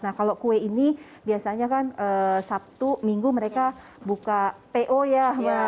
nah kalau kue ini biasanya kan sabtu minggu mereka buka po ya